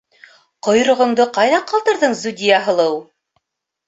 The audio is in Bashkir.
- Ҡойроғоңдо ҡайҙа ҡалдырҙың, Зүдиә һылыу?